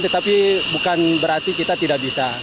tetapi bukan berarti kita tidak bisa